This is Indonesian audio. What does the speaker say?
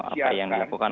apa yang dilakukan